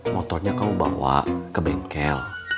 motornya kamu bawa ke bengkel